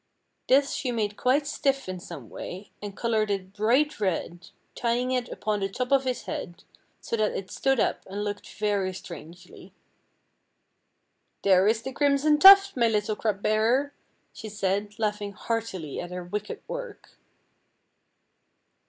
This she made quite stiff in some way, and colored it bright red, tying it upon the top of his head, so that it stood up and looked very strangely. "There is the crimson tuft, my little cup bearer," she said, laughing heartily at her wicked work.